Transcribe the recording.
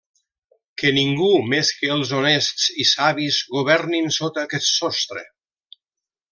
Que ningú, més que els honests i savis governin sota aquest sostre.